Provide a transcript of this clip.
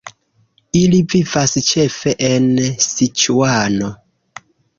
Ili vivas ĉefe en Siĉuano.